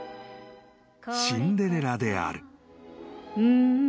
［『シンデレラ』である］